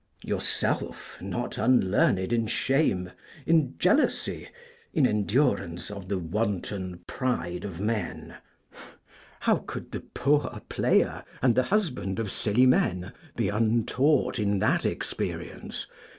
Yourself not unlearned in shame, in jealousy, in endurance of the wanton pride of men (how could the poor player and the husband of Céliméne be untaught in that experience?)